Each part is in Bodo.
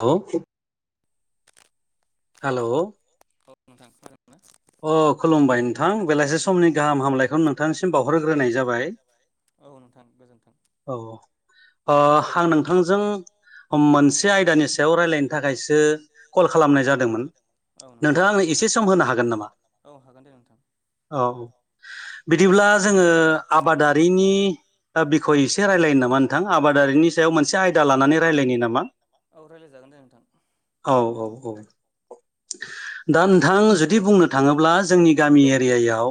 खौ हेल' औ नोंथां ना अ खुलुमबाय नोंथां बेलासि समनि गाहाम हामलायखौ नोंथांनिसिम बावहरग्रोनाय जाबाय औ नोंथां गोजोन्थों औ ओ आं नोंथांजों मोनसे आयदानि सायाव रायलायनो थाखायसो कल खालामनाय जादोंमोन। औ नोंथां नोंथाङा आंनो रायज्लाय एसे सम होनो हागोन जागोन नामा? औ हागोन दे नोंथां औ बिदिब्ला जोङो औ आबादारिनि ओ खौ एसे रायलायनो नामा नोंथां आबादारिनि सायाव मोनसे आयदा लानानै रायजलायनि नामा औ रायज्लायजागोन दे नोंथां औ औ औ दा नोंथां जुदि बुंनो थांङोब्ला जोंनि गामि औ एरियायाव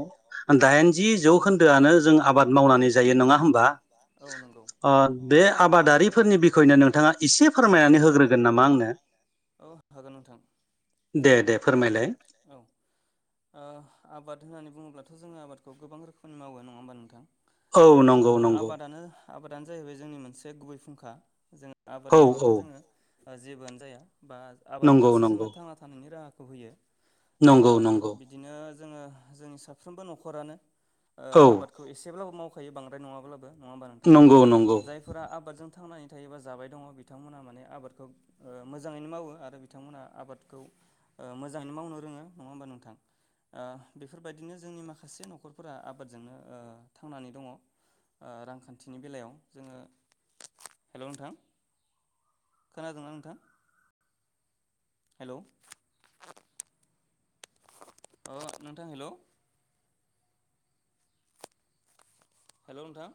दाइनजि जौखोन्दोआनो जों आबाद मावनानै जायो नङा होमबा? औ नंगौ बे आबादारिफोरनि बिखयनो नोंथाङा एसे फोरमायनानै होग्रोगोन नामा आंनो औ हागोन नोंथां दे दे फोरमाय मेले औ ओ आबाद होननानै बुङोब्लाथ' जोङो आबादखौ गोबां रोखोमनि मावो नङा होमबा नोंथां? औ ओ नंगौ नंगौ। आबादानो आबादानो जाहैबाय जोंनि मोनसे गुबै फुंखा जों आबाद औ औ नङाब्ला जोङो जेबोआनो जाया। बा नंगौ आबादासो जोंनो नंगौ थांना थानायनि राहा खौ होयो। नंगौ नंगौ ओ बिदिनो। जोङो जोंनि साफ्रोमबो नखरानो ओ औ आबादखौ एसेब्लाबो माव [unintelligible] बांद्राय नङाब्लाबो नङा होबा नोंथां नंगौ नंगौ जायफोरा आबादजों थांनानै थायोबा जा बाय दङ बिथांमोना माने आबादखौ ओ मोजाङैनो मावो आरो बिथांमोना आबादखौ ओ मो जाङैनो मावनो रोङो नङा होमबा नोंथां ओ बेफोरबायदिनो जोंनि माखासे नखरफोरा आबादजोंनो ओ थांनानै दङ ओ रांखान्थिनि बेलायाव जोङो हेलौ नोंथां खोनादोंना नोंथां? हेलौ। अ नोंथां हेलौ। हेलौ नोंथां।